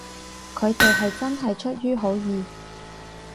佢哋係真係出於好意